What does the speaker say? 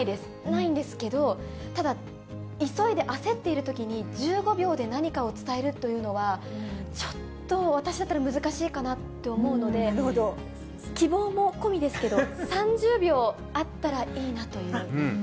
ないんですけど、ただ、急いで焦っているときに、１５秒で何かを伝えるというのは、ちょっと私だったら難しいかなと思うので、希望も込みですけど、３０秒あったらいいなという。